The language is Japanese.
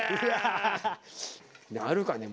鳴るかね。